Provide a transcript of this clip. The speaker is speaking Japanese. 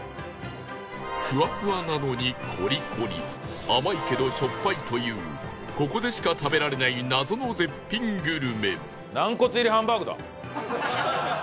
ふわふわなのにコリコリ甘いけどしょっぱいというここでしか食べられない謎の絶品グルメ